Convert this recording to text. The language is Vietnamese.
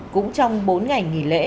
cũng trong bốn ngày nghỉ lễ